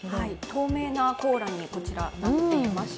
透明なコーラにこちらなっています。